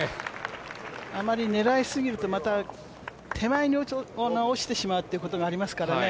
あまり狙いすぎるとまた手前に落ちてしまうということがありますからね